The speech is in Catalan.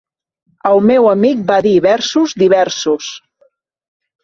El meu amic va dir versos diversos.